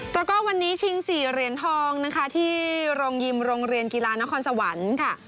แล้วก็วันนี้ชิง๔เหรียญทองนะคะที่โรงยิมโรงเรียนกีฬานครสวรรค์ค่ะ